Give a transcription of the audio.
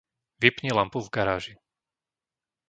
Vypni lampu v garáži.